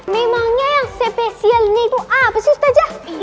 memangnya yang spesialnya itu apa sih ustazah